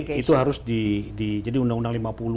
jadi itu harus di jadi undang undang lima puluh